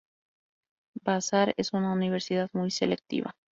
Vassar es una universidad muy selectiva.